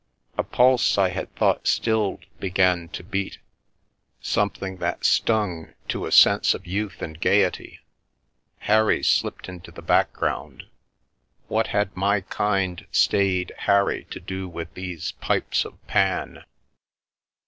A pulse I had thought stilled began to beat, some thing that stung to a sense of youth and gaiety ; Harry slipped into the background — what had my kind, staid Harry to do with these pipes of Pan?